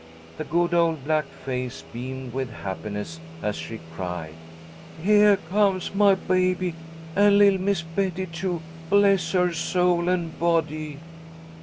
The good old black face beamed with happiness as she cried, "Heah comes my baby, an' li'l' Miss Betty, too, bless her soul an' body!"